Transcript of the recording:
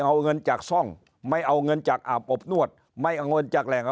เอาเงินจากซ่องไม่เอาเงินจากอาบอบนวดไม่เอาเงินจากแหล่ง